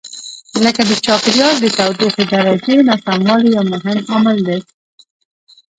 لکه د چاپېریال د تودوخې درجې ناسموالی یو مهم عامل دی.